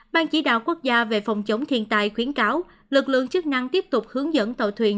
ban chỉ đạo quốc gia về phòng chống thiên tai khuyến cáo lực lượng chức năng tiếp tục hướng dẫn tàu thuyền